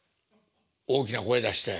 「大きな声出して」。